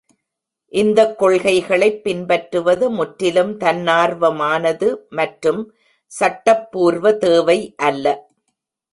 இந்தக் கொள்கைகளைப் பின்பற்றுவது முற்றிலும் தன்னார்வமானது மற்றும் சட்டப்பூர்வ தேவை அல்ல.